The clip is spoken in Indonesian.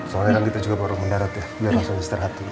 soalnya kita juga baru menggarut ya biar langsung istirahat dulu ya